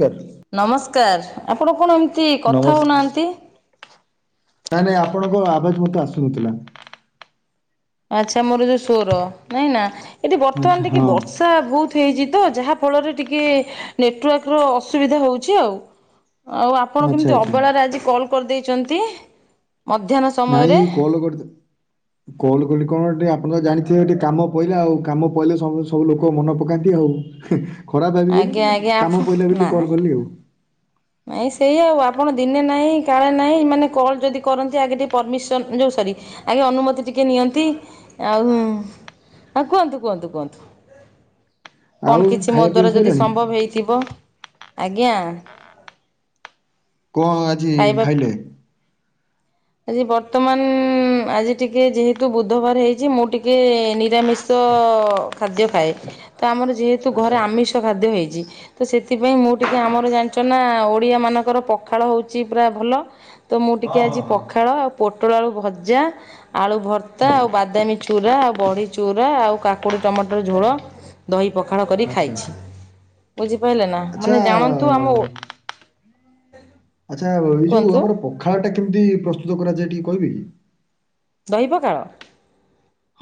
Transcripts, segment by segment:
Car ନମସ୍କାର। ଆପଣ କଣ ଏମତି ନମସ୍ କଥା ହଉନାହାନ୍ତି। ନାଇଁ ନାଇଁ ଆପଣଙ୍କ ଆବାଜ ମୋତେ ଆସୁନଥିଲା। ଆଚ୍ଛା ମୋର ଯୋଉ ସ୍ୱର ନାଇଁ ନା। ଏଠି ଆଚ୍ଛା ବର୍ତ୍ତମାନ ଟିକେ ହଁ ବର୍ଷା ବର୍ଷା ବହୁତ ହେଇଛି ତ। ଯାହାଫଳରେ ଟିକେ ନେଟୱାର୍କର ଅସୁବିଧା ହେଉଛି ଆଉ। ଆଉ ଆପଣ ଆଚ୍ଛା କେମିତି ଆଚ୍ଛା ଅବେଳା ରେ ଆଜି କଲ କରିଦେଇଛନ୍ତି। ମଧ୍ୟାହ୍ନ ସ ନାଇଁ କଲ୍ କରିଥୁଲୁ। କଲ୍ କଲି କଣ ଟିକେ ଆପଣ ତ ଜାଣିଥିବେ ଟିକେ କାମ ପଇଲା ଆଉ କାମ ପଇଲେ ସମସ୍ତେ ସବୁ ଲୋକ ମନେ ପକାନ୍ତି ଆଉ। ଖରାପ ଭାବିନି ଆଜ୍ଞା ଟିକେ ଆଜ୍ଞା ଆପଣ କାମ ପଇିଲା ବୋଲି କଲ୍ ନାହିଁ କଲି ଆଉ। ନାଇଁ ସେଇ ଆଉ ଆପଣ ଦିନେ ନାହିଁ କାଳେ ନାହିଁ ମାନେ କଲ୍ ଯଦି କରନ୍ତି ଆଗେ ଟିକେ ପରମିସନ୍ ଯେଉଁ ସରି ଆଜ୍ଞା ଅନୁମତି ଟିକେ ନିଅନ୍ତି ଆଉ ଆଉ କୁହନ୍ତୁ କୁହନ୍ତୁ କୁହନ୍ତୁ। ଆଉ କଣ କିଛି ମୋ ଖାଇବା ପିଇବା ଦ୍ଵାରା ଯଦି ସଇଲାଣି ସମ୍ଭବ ହେଇଥିବ ଆଜ୍ଞା। କଣ ଆଜି ଖାଇବା ଖାଇଲେ। ଆଜି ବର୍ତ୍ତମାନ ଆଜି ଟିକେ ଯେହେତୁ ବୁଧବାର ହେଇଛି ମୁଁ ଟିକେ ନିରାମିଷି ତ ଖାଦ୍ୟ ଖାଏ ତ ଆମର ଯେହେତୁ ଆଚ୍ଛା ଘରେ ଆମିଷ ଖାଦ୍ୟ ହେଇଛି। ତ ସେଥିପାଇଁ ମୁଁ ଟିକେ ଆମର ଜାଣିଛ ନା ଓଡିଆ ମାନଙ୍କର ପଖାଳ ହଉଛି ପୁରା ଭଲ ତ ମୁଁ ଟିକେ ଆଜି ପଖାଳ ଆଉ ପୋଟଳ ଆଳୁ ଭଜା ଆଳୁ ଭର୍ତ୍ତା ଆଉ ବାଦାମୀ ଚୁରା ଆଉ ବଢ଼ି ଚୁରା ଆଉ କାକୁଡ଼ି ଟମାଟର ଝୋଳ। ଦହି ପଖାଳ କରି ଆଚ୍ଛା ଖାଇଛି ବୁଝିପାଇଲେ ନା ଆଚ୍ଛା ମାନେ ଜାଣନ୍ତୁ ଆମ ଓ [unintelligible] ଆଚ୍ଛା ଏଇ ଯୋଉ ଆମର ପଖାଳ ଟା କେମିତି ପ୍ରସ୍ତୁତ କରାଯାଏ ଟିକେ କହିବେ କି ଦହି ପାଖାଳ।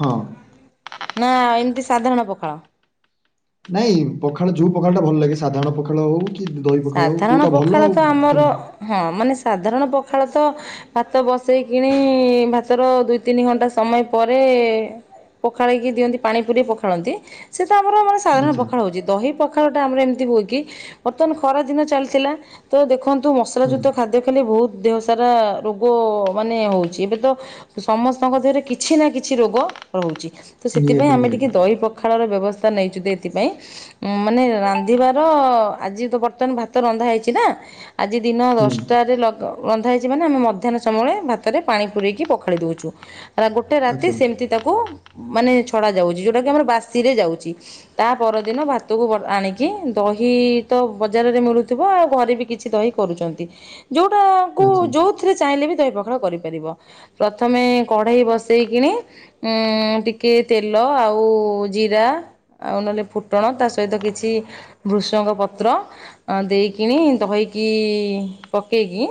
ହଁ। ନା ଏମିତି ସାଧାରଣ ପଖାଳ। ନାଇଁ ପଖାଳ ଯୋଉ ପଖାଳ ଟା ଭଲ ଲାଗେ ସାଧାରଣ ପଖାଳ ହଉ କି ଦହି ପଖାଳ ହଉ ସାଧାରଣ କୋଉଟା ପଖାଳ ଭଲ ତ ଆଉ ଆମର କେମତି। ହଁ ମାନେ ସାଧାରଣ ପଖାଳ ତ ଭାତ ବସେଇ କିଣି ଭାତର ଦୁଇ ତିନି ଘଣ୍ଟା ସମୟ ପରେ ପଖାଳେଇକି ଦିଅନ୍ତି ପାଣି ପୁରେଇ ପଖାଳନ୍ତି ସେଇଟା ଆମର ମାନେ ସେ ସାଧାରଣ ଆଚ୍ଛା ପଖାଳ ହଉଛି ଦହି ପଖାଳ ଟା ଆମର ଏମିତି ହୁଏ କି ବର୍ତମାନ ଖରା ଦିନ ଚାଲିଥିଲା। ତ ଦେଖନ୍ତୁ ମସଲା ହୁଁ ଯୁକ୍ତ ଖାଦ୍ୟ ଖଲେ ବହୁତ ଦେହ ସାରା ରୋଗ ମାନେ ହଉଛି ଏବେ ତ ସମସ୍ତଙ୍କ ଦେହରେ କିଛି ନା କିଛି ରୋଗ ରହୁଛି ତ ସେଥିପାଇଁ ନିହାତି ଆମେ ଟିକେ ନିହାତି ଦହି ପଖାଳ ର ବ୍ୟବସ୍ଥା ନେଇଛୁ ଯେ ଏଥିପାଇଁ ମାନେ ରାନ୍ଧିବାର ଆଜି ତ ବର୍ତମାନ ଭାତ ରନ୍ଧା ହେଇଛି ନା ଆଜି ଦିନ ହୁଁ ଦଶଟା ରେ ରନ୍ଧା ହେଇଛି ମାନେ ଆମେ ମଧ୍ୟାହ୍ନ ସମୟଳେ ଭାତରେ ପାଣି ପୁରରେଇକି ପଖାଳି ଦଉଛୁ। ହେରା ଗୋଟେ ରାତି ଆଚ୍ଛା ସେମିତି ତାକୁ ମାନେ ଛଡ଼ାଯାଉଛି ଯେଉଁଟାକି ଆମର ବାସିରେ ଯାଉଛି। ତା ପରଦିନ ଭାତକୁ ଆଣିକି ଦହି ତ ବଜାରରେ ମିଳୁଥିବ ଆଉ ଘରେ ବି କିଛି ଦହି କରୁଛନ୍ତି ଯୋଉଟା କୁ ଆଚ୍ଛା ଯୋଉ ସେଥିରେ ଚାହିଁଲେ ବି ଦହି ପଖାଳ କରିପାରିବ ପ୍ରଥମେ କଢେଇ ବସେଇକିନି ଏଁ ଏଁ ଟିକେ ତେଲ ଆଉ ଜିରା ଆଉ ନହେଲେ ଫୁଟଣ ତା ସହିତ କିଛି ବୃଷଙ୍କ ପ ତ୍ର ଦେଇକିନି ଦହିକି ପକେଇକି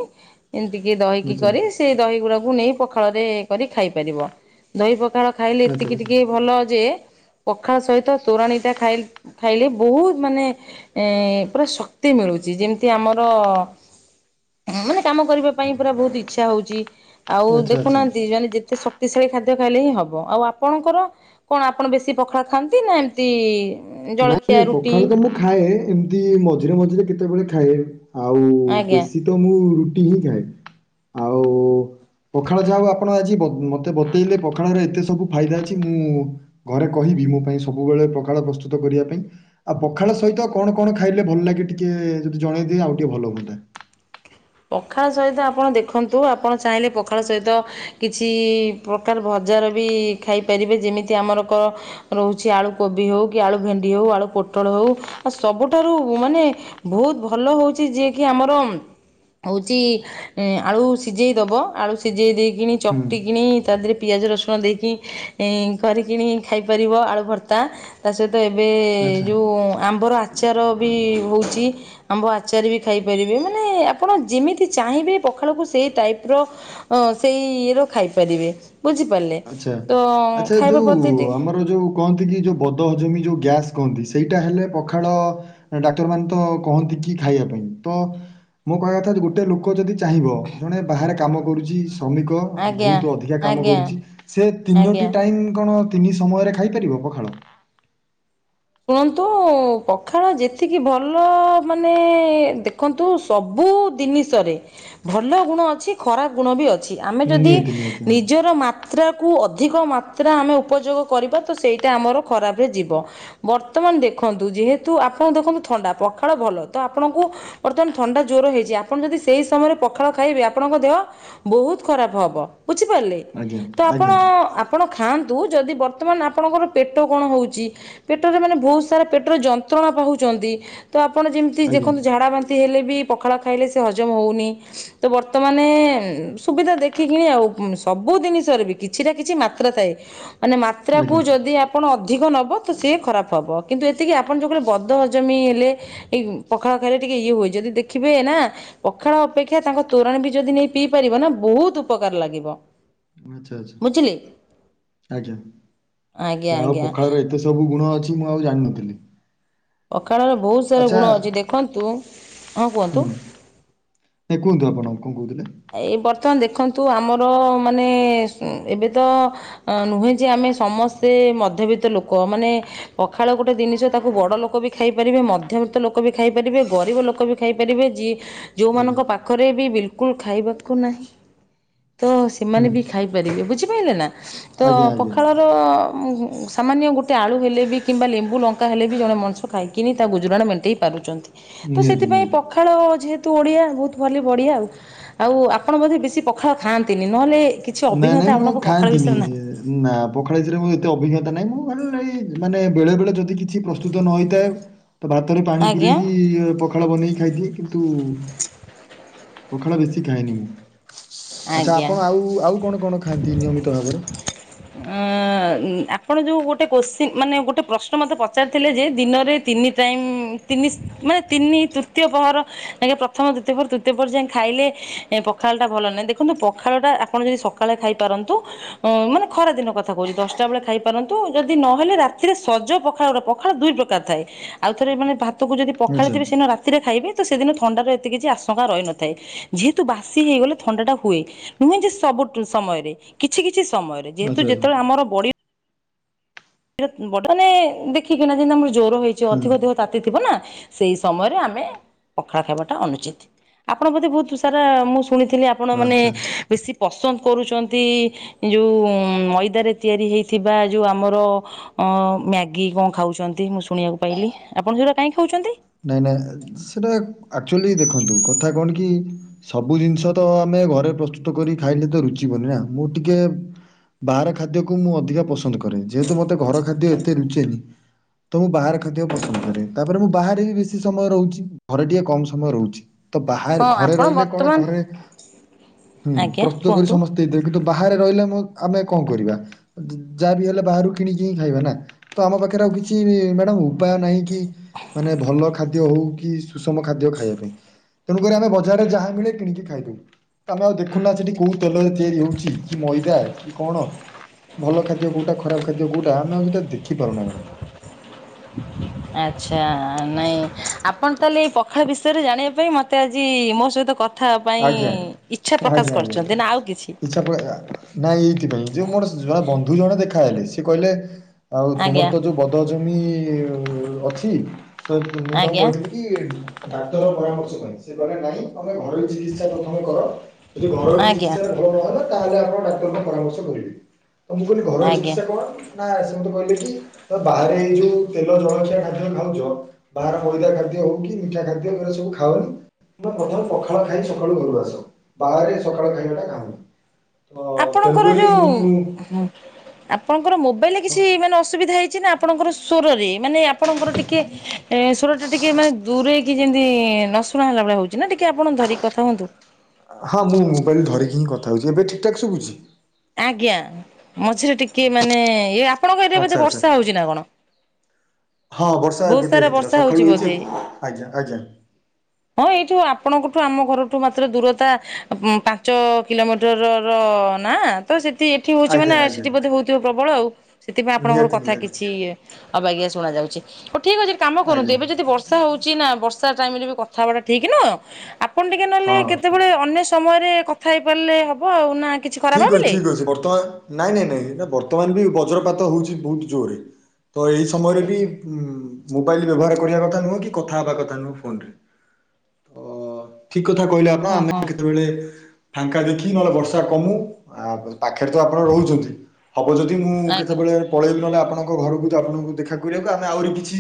ଏମିତିକି ଦହିକି ଆଚ୍ଛା କରି ସେଇ ଦହି ଗୁଡାକୁ ନେଇ ପଖାଳ ରେ କରି ଖାଇପାରିବ। ଦହି ପଖାଳ ଖାଇଲେ ଆଚ୍ଛା ଏତିକି ଆଚ୍ଛା ଟିକେ ଭଲ ଯେ ପଖାଳ ସହିତ ତୋରାଣଟା ଖାଇ ଖାଇଲେ ବହୁତ ମାନେ ଏଁ ପୁରା ଶକ୍ତି ମିଳୁଛି ଯେମିତି ଆମର ଏଁ ମାନେ କାମ କରିବା ପାଇଁ ପୁରା ବହୁତ ଇଚ୍ଛା ହଉଛି ଆଉ ଆଚ୍ଛା ଆଚ୍ଛା। ଦେଖୁନାହାନ୍ତି ମାନେ ଯେତେ- ଶାକ୍ତି ଶାଳୀ ଖାଦ୍ୟ ଖାଇଲେ ହିଁ ହବ ଆଉ ଆପଣଙ୍କର କଣ ଆପଣ ବେଶୀ ପଖାଳ ଖାଆନ୍ତି ନା ଏମିତି ନାଇଁ ଜଳଖିଆ ନାଇଁ ରୁଟି ପଖାଳୁ ତ ମୁଁ ଖାଏ ଏମିତି ମଝିରେ ମଝିରେ କେତେବେଳେ ଖାଏ ଆଉ ଆଜ୍ଞା। ବେଶୀ ତ ମୁଁ ରୁଟି ହିଁ ଖାଏ। ଆଉ ପଖାଳ ଯାହା ହଉ ଆପଣ ଆଜି ମତେ ବତେଇଲେ ପଖାଳରେ ଏତେ ସବୁ ଫାଇଦା ଅଛି ମୁଁ ଘରେ କହିବି ମୋ ପାଇଁ ସବୁବେଳେ ପଖାଳ ପ୍ରସ୍ତୁତ କରିବା ପାଇଁ। ଆଉ ପଖାଳ ସହିତ କଣ କଣ ଖାଇଲେ ଭଲ ଲାଗେ ଟିକିେ ଯଦି ଜଣେଇଦିଏ ଆଉ ଟିକେ ଭଲ ହୁଅନ୍ତା। ପଖାଳ ସହିତ ଆପଣ ଦେଖନ୍ତୁ ଆପଣ ଚାହିଁଲେ ପଖାଳ ସହିତ କିଛି ପ୍ରକାର ଭଜାର ବି ଖାଇପାରିବେ ଯେମିତି ଆମର କ ରହୁଚି ଆଳୁ କୋବି ହଉ କି ଆଳୁ ଭେଣ୍ଡି ହଉ ଆଳୁ ପୋଟଳ ହଉ ଆଉ ସବୁଠାରୁ ମାନେ ବହୁତ ଭଲ ହଉଚି ଯିଏ କିି ଆମର ହଉଛି ଆଳୁ ସିଝେଇଦବ ଆଳୁ ସିଝେଇ ଦେଇକିଣି ହୁଁ ଚଟକିଣି ତା ଦେ ପିଆଜ ରସୁଣ ଦେଇକି କରିକିଣି ଖାଇପାରିବ ଆଳୁ ଭର୍ତ୍ତା। ତା ସହିତ ଏବେ ଆଚ୍ଛା ଯୋଉ ଆମ୍ବର ଆ ଆଚାର ବି ହଉଚି ଆମ୍ବ ଆଚାର ବି ଖାଇପାରିବେ ମାନେ ଆ ଆପଣ ଯେମିତି ଚାହିଁବେ ପଖାଳକୁ ସେଇ ଟାଇପ୍ ର ସେଇ ର ଖାଇପାରିବେ। ବୁଝିପାରିଲେ ଆଚ୍ଛା। ତ ଆଚ୍ଛା ଖାଇବା ଯୋଉ ପ୍ରତି ଟିକ୍ ଆମର ଯୋଉ କହନ୍ତି କି ଯୋଉ ବଦ ହଜମି ଯୋଉ ଗ୍ୟାସ୍ କହନ୍ତି ସେଇଟା ହେଲେ ପଖାଳ ଡାକ୍ତର ମାନେ ତ କହନ୍ତି କି ଖାଇବା ପାଇଁ ତ ମୋ କହିବା କଥା ଗୋଟେ ଲୋକ ଯଦି ଚାହିଁବ ଜଣେ ବାହାରେ କାମ କରୁଚିସ୍। ଶ୍ରମିକ ଆଜ୍ଞା ବହୁତ୍ ଅଧିକା କାମ ଆଜ୍ଞା କରୁଚି ସେ ଆଜ୍ଞା ତିନୋଟି ଟାଇମ୍ କଣ ତିନି ସମୟରେ ଖାଇପାରିବ ପଖାଳ? ଶୁଣନ୍ତୁ ପଖାଳ ଯେତିକି ଭଲ ମାନେ ଦେଖନ୍ତୁ ସବୁ ଦିନିସରେ ଭଲ ଗୁଣ ଅଛି। ଖରାପ ଗୁଣ ବି ଅଛି। ଆମେ ନା ଯଦି ନିହାତି ନିହାତି ହଁ ନିଜର ମା ମାତ୍ରାକୁୁ ଅଧିକ ମାତ୍ରା ଆମେ ଉପଯୋଗ କରିବା ତ ସେଇଟା ଆମର ଖରାପରେ ଯିବ। ବର୍ତ୍ତମାନ ଦେଖନ୍ତୁ ଯେହେତୁ ଆପଣ ଦେଖନ୍ତୁ ଥଣ୍ଡା ପଖାଳ ଭଲ ତ ଆପଣଙ୍କୁ ବର୍ତ୍ତମାନ ଥଣ୍ଡା ଜ୍ୟର ହେଇଚି ଆପଣ ଯଦି ସେଇ ସମୟରେ ପଖାଳ ଖାଇବେ ଆପଣଙ୍କ ଦେହ ବହୁତ୍ ଖରାପ ହବ ବୁଝିପାରିଲେ? ଆଜ୍ଞା ତ ଆପଣ ଆଜ୍ଞା ଆପଣ ଖାଆନ୍ତୁ ଯଦି ବର୍ତ୍ତମାନ ଆପଣଙ୍କର ପେଟ କଣ ହଉଚି ପେଟରେ ମାନେ ବହୁତ୍ ସାରା ପେଟର ଯନ୍ତ୍ରଣା ପାଉଚନ୍ତି ତ ଆପଣ ଯେମିତି ଆଜ୍ଞା ଦେଖନ୍ତୁ ଝାଡ଼ା ବା ତେ ହେଲେ ବି ପଖାଳ ଖାଇଲେ ସେ ହଜମ ହଉନି। ତ ବର୍ତ୍ତମାନେ ସୁବିଧା ଦେଖିକିନି ଆଉ ସବୁ ଜିନିଷରେ ବି କି କିଛିଟା କିଛି ମାତ୍ରା ଥାଏ ମାନେ ମାତ୍ରାକୁ ଆଜ୍ଞା ଯଦି ଆପଣ ଅଧିକ ନବ ତ ସିଏ ଖରାପ୍ ହବ କିନ୍ତୁ ଏତିକି ଆପଣ ଯୋଉ କହିଲେ ବଦ ହଜମି ହେଲେ ଏଇ ପଖାଳ ଖାଇଲେ ଟିକେ ଇଏ ହୁଏ ଯଦି ଦେଖିବେ ନାଁ ପଖାଳ ଅପେକ୍ଷା ତାଙ୍କ ତୋରାଣି ବି ଯଦି ନେଇ ପିଇ ପାରିବ ନାଁ ବହୁତ୍ ଉପକାର ଲାଗିବ। ଆଚ୍ଛା ବୁଝିଲେ ଆଚ୍ଛା ଆଜ୍ଞା ଆଜ୍ଞା ଯାହା ହଉ ଆଜ୍ଞା ପଖାଳ ରେ ଏତେ ସବୁ ଗୁଣ ଅଛି ମୁଁ ଆଉ ଜାଣିନଥିଲି। ଅଖାଳର ବହୁତ୍ ସାରା ଆଚ୍ଛା ଗୁଣ ଅଛି ଦେଖନ୍ତୁ ହଁ କୁହନ୍ତୁ। ଏ କୁହନ୍ତୁ ଆପଣ କଣ କହୁଥିଲେ? ଏ ବର୍ତ୍ତମାନ ଦେଖନ୍ତୁ ଆମର ମାନେ ଏବେ ତ ଅ ନୁହେଁ ଯେ ଆମେ ସମସ୍ତେ ମଧ୍ୟବିତ୍ତ ଲୋକ ମାନେ ପଖାଳ ଗୋଟେ ଜିନିଷ ତାକୁ ବଡ ଲୋକ ବି ଖାଇପାରିବେ ମଧ୍ୟବିତ୍ତ ଲୋକ ବି ଖାଇପାରିବେ ଗରିବ ଲୋକ ବି ଖାଇ ପାରିବେ ଯି ଆଜ୍ଞା ଯୋଉମାନଙ୍କ ପାଖରେ ବି ବିଲକୁଲ ଖାଇବାକୁ ନାହିଁ ତ ହୁଁ ସେମାନେ ବି ଖାଇ ପାରିବେ ବୁଝିପାଇଲେ ନାଁ ତ ଆଜ୍ଞା ଆଜ୍ଞା ପଖାଳ ର ସାମାନ୍ୟ ଗୋଟେ ଆଳୁ ହେଲେ ବି କିମ୍ବା ଲେମ୍ବୁ ଲଙ୍କା ହେଲେ ବି ଜଣେ ମଣିଷ ଖାଇକିନି ତା ଗୁଜୁରାଣ ମେଣ୍ଟେଇ ପାରୁଛନ୍ତି। ତ ନିହାତି ସେଥିପାଇଁ ନିହାତି। ପଖାଳ ଯେହେତୁ ଓଡିଆ ବୋହୁତ୍ ଭଲ ବଢିଆ ଆଉ। ଆଉ ଆପଣ ବଧେ ବେଶୀ ପଖାଳ ଖାଆନ୍ତିନି ନହେଲେ ନାଇଁ ଅଭିଜ୍ଞତା ନାଇଁ ମୁଁ ଆପଣଙ୍କ ପଖାଳ ଖାଆନ୍ତିନି। ବିଷୟରେ ନାହିଁ। ନା ପଖାଳରେ ମୁ ଏତେ ଅଭିଜ୍ଞତାହିଁ ମାନେ ବେଳେ ବେଳେ ଯଦି କି କି ପ୍ରସ୍ତୁତ ନଥାଏ ତ ଭାତରେ ପାଣି ଆଜ୍ଞା ପୁରେଇକି ପକି ପଖାଳ ବନେଇକି ଖାଇ ଦିଏ। କିନ୍ତୁ ପଖାଳ ବେଶୀ ଖାଏନି ମୁଁ। ଆଚ୍ଛା ଆଜ୍ଞା ଆପଣ ଆଉ ଆଉ କଣ କଣ ଖାଆନ୍ତି ନିୟମିତ ଭାବରେ? ଆପଣ ଯୋଉ ଗୋଟେ କୋଶ୍ଚିନ୍ ମାନେ ଗୋଟେ ପ୍ରଶ୍ନ ମୋତେ ପଚାରିଥିଲେ ଯେ ଦିନରେ ତିନି ତିନି ମାନେ ତିନି ତୃତୀୟ ପହର ପ୍ରଥମ ତୃତୀୟ ପହ ତୃତୀୟ ପହର ଯାଇ ଖାଇଲେ ଏ ପଖାଳଟା ଭଲ ନାହିଁ ଦେଖନ୍ତୁ ପଖାଳଟା ଆପଣ ଯଦି ସକାଳେ ଖାଇପାରନ୍ତୁ ମାନେ ଖରା ଦିନ କଥା କହୁଛି ଦଶଟା ବେଳେ ଖାଇପାରନ୍ତୁ ଯଦି ନହଲେ ରାତିରେ ସଜ ପଖାଳ ଗୋଟେ ପଖାଳ ଦୁଇ ଏ ଥାଏ। ଆଉ ଥରେ ମାନେ ଭାତକୁ ଯଦି ଆଚ୍ଛା ପଖାଳିଥିବେ ସେ ରା ରାତିରେ ଖାଇବେ ତ ସେଦିନ ଥଣ୍ଡା ର ଏତେ କିଛି ଆଶଙ୍କା ରହିନଥାଏ। ଯେହେତୁ ବାସି ହେଇଗଲେ ଥଣ୍ଡା ହୁଏ। ନୁହେଁ ଯେ ସବୁ ସମୟରେ, କିଛି କିଛି ସମୟରେ ଆଚ୍ଛା ଯେହେତୁ ଆଚ୍ଛା ଯେତେବେଳେ ଆମର ବ ସେଇଟ ବ ମାନେ ଦେଖିକିନା ଯେମିତି ଆମର ଜୋର ହେଇଛି ଅଧିକ ଦେହ ହୁଁ ତାତି ଥିବ ନା। ସେଇ ସମୟରେ ଆମେ ପଖାଳା ଖାଇବାଟା ଅନୁଚିତ୍। ଆପଣ ବୋଧେ ବୋହୁତ୍ ସାରା ମୁଁ ଶୁଣିଥିଲି ଆପଣ ମାନେ ଆଚ୍ଛା। ବେଶୀ ପସନ୍ଦ କରୁଛନ୍ତି ଯେଉଁ ମଇଦାରେ ତିଆରି ହୋଇଇଥିବା ଯେଉଁ ଆମର ଅ ମ୍ୟାଗି କଣ ଖାଉଛନ୍ତି ମୁଁ ଶୁଣିବାକୁ ପାଇଲି। ଆପଣ ସେଗୁା କାଇହିଁକି ଖାଉଛନ୍ତି? ନାଇଁ ନାଇଁ ସେଟା ଆକ୍ଚୁଆଲି ଦେଖନ୍ତୁ କଥା କଣ କି ସବୁ ଜିନିଷ ତ ଆମେ ଘରେ ପ୍ରସ୍ତୁତ କରି ଖାଇଲେ ତ ରୁଚିିବନି ନା ମୁଁ ଟିକେ ବାହାର ଖାଦ୍ୟକୁ ମୁଁ ଅଧିକା ପସନ୍ଦ କରେ। ଯେହେତୁ ମତେ ଘର ଖାଦ୍ୟ ଏତେ ଲୁଚେନି, ତ ମୁଁ ବାହାର ଖାଦ୍ୟ ପସନ୍ଦ କରେ। ତାପରେ ମୁ ବାହାରେ ବି ବେଶୀ ସମୟ ରହୁଛି। ଘରେ ଟିକେ କମ ସମୟ ରହୁଛି। ତ ବାହାରେ ହଁ ଘରେ ଆପଣ ରହିଲେ କଣ ବର୍ତ୍ତମାନ ଘରେ ହୁଁ ଆଜ୍ଞା ପ୍ରସ୍ତୁତ କରି କୁହନ୍ତୁ ସମସ୍ତେ ଦେଇଦେବି କିନ୍ତୁ ବାହାରେ ରହିଲେ ଆ-ଆମେ କଣ କରିବା ଯାହା ବିି ହେଲେ ବାହାରୁ କିଣିକି ହିଁ ଖାଇବା ନା। ତ ଆମ ପାଖରେ ଆଉ କିଛି ମ୍ୟାଡ଼ାମ ଉପାୟ ନାହିଁ କି ମାନେ ଭଲ ଖାଦ୍ୟ ହଉ କି ସୁଷମ ଖାଦ୍ୟ ଖାଇବା ପାଇଁ ତେଣୁକରି ଆମେ ବଜାରରେ ଯାହା ମିଳେ କିଣିକି ଖାଇଦଉ। ଆମେ ଆଉ ଦେଖୁନା ସେଠି କୋଉ ତେଲ ଚେଆରି ହଉଛି କି ମଇଦା କି କଣ ଭଲ ଖାଦ୍ୟ କୋଉଟା ଖରାପ ଖାଦ୍ୟ କୋଉଟା ଆମେ ଆଉ ଦେଖି ପାରୁନା ମ୍ୟାଡମ୍। ଆଚ୍ଛା ନାଇଁ ଆପଣ ତାହେଲେ ଏଇ ପଖାଳ ବିଷୟରେ ଜାଣିବା ପାଇଁ ମତେ ଆଜି ମୋ ସହିତ କଥା କଥା ପାଇଁ ଇଚଛା ପ୍ରକାଶ କରୁଛନ୍ତି ନା ଆଉ କିଛି? ସେପ ନାଇଁ ଏଇଥିପାଇଁ ଯେଉଁ ମୋର ବନ୍ଧୁ ଜଣ ଦେଖାହଲେ ସେ କହିଲେ ଆଉ ଆଜ୍ଞା ତୁମର ତ ଯୋଉ ବଦ ଜମି ଅଛି ତ ମୁଁ ତଙ୍କୁକୁ ଆଜ୍ଞା କହିଥିଲି ଡାକ୍ତର ପରାମର୍ଶ ପାଇଁ ସେ କଲେ ନାଇଁ ଆମେ ଘର ଚ ତମେ କଣ କର ଯଦି ଘର ଆଜ୍ଞା ଚିକିତ୍ସ ଭଲ ନହେଲା ତାହେଲେ ଆପଣ ଡାକ୍ତରଙ୍କୁ ପରାମର୍ଶ କରିବେ। ତ ମୁଁ କହିଲି ଘର ଆଜ୍ଞା ଚିକିତ୍ସା କଣ? ନା ସେ ମତେ କହିଲେ କି ତ ବାହାରେ ଏଇ ଯୋଉ ତେଲ ଜଳଖିଆ ଡାକ ଖାଉଛ ବାହାର ମଇଦା ଖାଦ୍ୟ ହଉ କି ମିଠା ଖାଦ୍ୟ ସବୁ ଖାଉନି ପ୍ରଥ ସକାଳ ଖାଇ ସକାଳୁ ଘରୁ ଆସ। ବାହାରେ ସକାଳୁ ଖାଇବା ଟା ଖାଓ। ହ ତେଣୁକରି ମୁଁ ହଁ ଆପଣଙ୍କର ମୋବାଇଲରେ କିଛି ମାନେ ଅସୁବିଧା ହେଇଛି ନା ଆପଣଙ୍କର ସ୍ୱରରେ ମାନେ ଆପଣଙ୍କର ଟିକେ ହିଁ ଟା ଟିକେ ମାନେ ଦୂରେଇକି ଯେମିତି ନ ଶୁ ଶୁଣା ହେଲାଳିଆ ହଉଛି ନା, ଟିକେ ଆପଣ ଧରିକି କଥା ହୁଅନ୍ତୁ। ହଁ, ମୁଁ ମୋବାଇଲ ଧରିକି ହିଁ କଥା ହଉଛି। ଏବେ ଠିକ୍ ଠାକ୍ ଶୁଖୁଛି? ଆଜ୍ଞା। ମଝିରେ ଟିକେ ମାନେ ଇ ଆପଣଙ୍କ ଏରେ ଆଚ୍ଛା ଏଧେ ଆଚ୍ଛା। ବର୍ଷା ହଉଛି ନା କଣ? ହଁ ବର୍ଷା ବହୁତ ଏପଟେ ସାରା ହେଇଥିଲା। ବର୍ଷା ହଉଛି ସକାଳୁ ହେଇଛି ବୋଧେ। ଆଜ୍ଞା, ଆଜ୍ଞା। ହଁ ଏଇଠୁ ଆପଣଙ୍କଠୁ ଆମ ଘରଠୁ ମାତ୍ର ଦୂରତା ପାଞ୍ଚ। କିଲୋମିଟରର ନା। ତ ସେଠି ଏଠି ହଉଛି ମାନ ଆଜ୍ଞା ଆଜ୍ଞା ସେଠି ବୋଧେ ହଉଥିବ ପ୍ରବଳ ଆଉ। ସେଥିପାଇଁ ଆପଣଙ୍କର ନିହାତି କଥା ନିହାତି କିଛି ଇଏ ଅବାଗିଆ ଶୁଭାଯାଉଛି। ହଉ ଠିକ ଅଛି କାମ କରନ୍ତୁ ଆଜ୍ଞା ଏବେ ଯଦି ବର୍ଷ ସେ ହଉଛି ନା, ବର୍ଷା ଟାଇମ ରେ ବି କଥାବାର୍ତ୍ତା ଠିକ ନୁହଁ। ଆପଣ ଟିକେ ନହେଲେ ହଁ। କେତେବେଳେ ଅନ୍ୟ ସମୟରେ କଥା ହେଇପାରିଲେ ହବ ଆଉ ନା। କିଛି ଖରାପ ଠିକ ଅଛି ଭାବିଲେ? ଠିକ ଅଛି ବର୍ତ୍ତମାନ ନାଇଁ, ନାଇଁ, ନାଇଁ ବର୍ତ୍ତମାନ ବି ବଜ୍ରପାତ ହଉଛି ବହୁତ ଜୋରରେ। ତ ଏଇ ସମୟରେ ବି ଉ ମୋବାଇଲ ବ୍ୟବହାର କରିବା କଥା ନୁହଁ କି କଥା ହବା କଥା ନୁହଁ ଫୋନରେ। ତ ଠିକ କଥା କହିଲେ ଆପଣ ହଁ ଆମେ ହଁ କେତେବେଳେ ଫାଙ୍କା ଦେଖି ନହେଲେ ବର୍ଷା କମୁ ପାଖରେ ତ ଆପଣ ରହୁଛନ୍ତି। ହବ ଯଦି ମୁଁ ଆଜ୍ଞା କେତେବେଳେ - ପଳେଇବୁ ନହେଲେ ଆପଣଙ୍କ ଘରକୁ ଆପଣଙ୍କୁ ଦେଖା କରିବାକୁ। ଆମେ ଆହୁରି କିଛି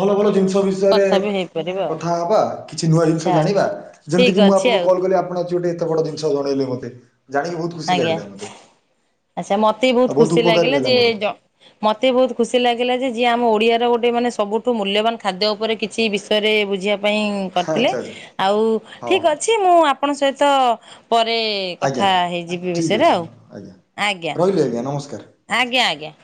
ଭଲ ଭଲ ଜିନିଷ ବିଷୟରେ କଥା ବି ହେଇପାରିବ ଆଉ କଥା ହବା କିଛି ନୂଆ ଆଚ୍ଛା ଜିନିଷ ଆଉ। ଜାଣିବା ଯେମିତି ଠିକ୍ କିି ମୁଁ ଅଛି ଆପଣଙ୍କୁ ଆଉ କଲ୍ କଲି ଆପଣ ଅଛି ଗୋଟେ ଏତେ କେତେ ବଡ ଜିନିଷ ଜଣେଇଲେ ମତେ। ଜଣିକି ବହୁତ୍ ଆଜ୍ଞା, ଆଚ୍ଛା ମତେ ବି ଆଉ ବହୁତ ଖୁସି ଉପକାର ବି ଲାଗିଲା ହେଲା ଯେ ମୋର ଯ ମୋତେ ବହୁତ ଖୁସି ଲାଗିଲା ଯେ, ଯିଏ ଆମ ଓଡ଼ିଆର ଗୋଟେ ମାନେ ସବୁଠୁ ମୂଲ୍ୟବାନ ଖାଦ୍ୟ ଉପରେ କିଛି ବିଷୟରେ ବୁଝିବା। ପାଇଁ ହଁ କରିଥିଲେ ଆଚ୍ଛା ଆଚ୍ଛା ଆଉ ହଉ ଠିକ ଅଛି ମୁଁ ଆପଣଙ୍କ ସହିତ ପରେ ଆଜ୍ଞା କଥା ହେଇବି। ଠିକ୍ ଅଛି ହଁ ଆଜ୍ଞା। ରହିଲି ଆଜ୍ଞା, ନମସ୍କାର। ଆଜ୍ଞା, ଆଜ୍ଞା।